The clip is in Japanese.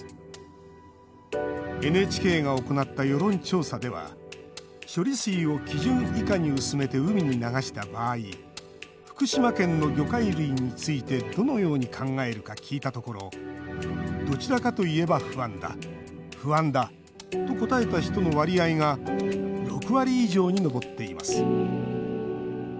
ＮＨＫが行った世論調査では処理水を基準以下に薄めて海に流した場合福島県の魚介類についてどのように考えるか聞いたところ「どちらかといえば不安だ」「不安だ」と答えた人の割合が６割以上に上っています。